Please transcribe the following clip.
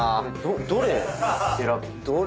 どれ選ぶ？